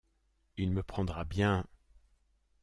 Il me prendra bien. ..